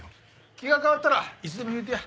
気が変わったらいつでも言うてや。